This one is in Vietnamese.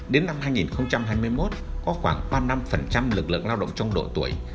đến năm hai nghìn hai mươi một có khoảng ba mươi năm lực lượng lao động trong độ tuổi